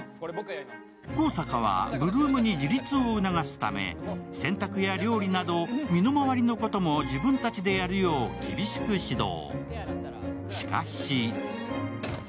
香坂は８ＬＯＯＭに自立を促すため洗濯や料理など身の回りのことも自分たちでやるよう厳しく指導。